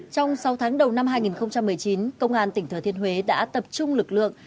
trong sáu tháng đầu năm hai nghìn một mươi chín công an tỉnh thừa thiên huế đã tập trung lực lượng